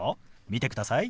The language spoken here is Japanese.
見てください。